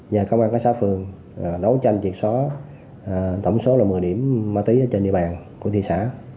nhà công an cảnh sát phường đấu tranh triệt xó tổng số một mươi điểm ma túy trên địa bàn của thị xã